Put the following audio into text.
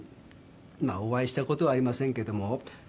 まぁお会いしたことはありませんけども。